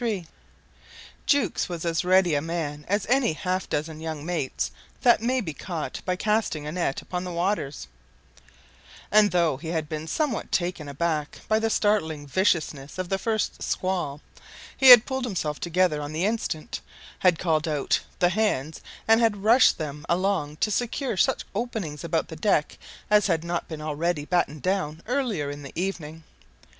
III Jukes was as ready a man as any half dozen young mates that may be caught by casting a net upon the waters; and though he had been somewhat taken aback by the startling viciousness of the first squall, he had pulled himself together on the instant, had called out the hands and had rushed them along to secure such openings about the deck as had not been already battened down earlier in the evening.